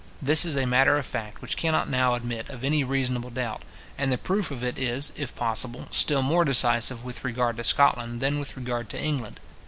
This is a matter of fact which cannot now admit of any reasonable doubt; and the proof of it is, if possible, still more decisive with regard to Scotland than with regard to England.